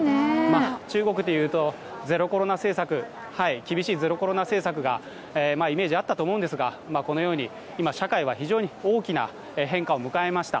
中国というと厳しいゼロコロナ政策のイメージあったと思うんですが、このように社会は今、大きな変化を迎えました。